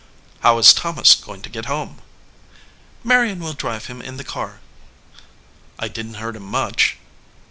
"How is Thomas going to get home?" "Marion will drive him in the car." "I didn t hurt him much?"